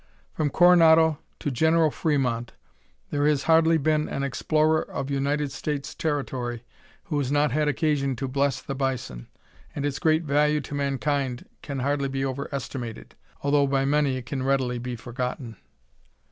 From Coronado to General Frémont there has hardly been an explorer of United States territory who has not had occasion to bless the bison, and its great value to mankind can hardly be overestimated, although by many it can readily be forgotten.